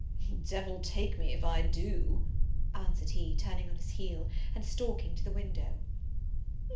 "Devil take me if I do!" answered he, turning on his heel, and stalking to the window.